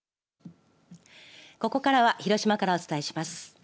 ここからは広島からお伝えします。